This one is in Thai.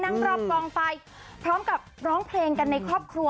นั่งรอบกองไฟพร้อมกับร้องเพลงกันในครอบครัว